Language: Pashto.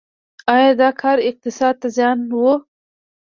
آیا دا کار اقتصاد ته زیان و؟